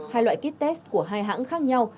hai loại kit test của hai hãng khác nhau